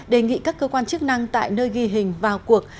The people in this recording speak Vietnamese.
đề nghị các cơ quan chức năng tại nơi ghi hình vào cuộc